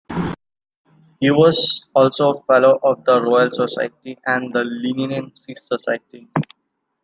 He was also a Fellow of the Royal Society and the Linnean Society.